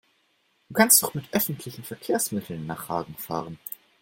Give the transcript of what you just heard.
Du kannst doch mit öffentlichen Verkehrsmitteln nach Hagen fahren